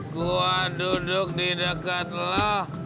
gue duduk di dekat lo